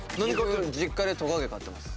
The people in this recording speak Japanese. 僕実家でトカゲ飼ってます。